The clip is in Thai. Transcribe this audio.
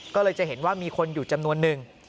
ก็เลยจะเห็นว่ามีคนอยู่จำนวนนึง